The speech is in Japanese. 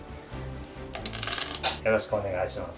よろしくお願いします。